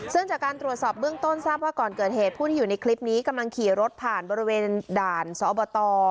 ซึ่งจากการตรวจสอบเบื้องต้นทราบว่าก่อนเกิดเหตุผู้ที่อยู่ในคลิปนี้กำลังขี่รถผ่านบริเวณด่านสอบต